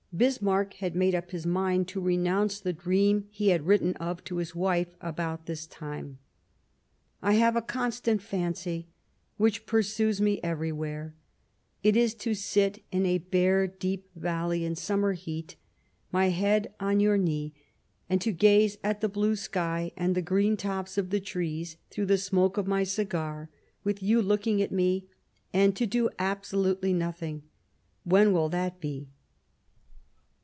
Bismarck had made up his mind to renounce the dream he had written of to his wife about this time, " I have a constant fancy which pursues me everywhere : it is to sit in a bare, deep valley, in summer heat, my head on your knee, and to gaze at the blue sky and the green tops of the trees through the smoke of my cigar, with you looking at me, and to do absolutely nothing. When will that be